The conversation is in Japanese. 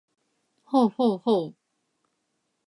ほうほうほう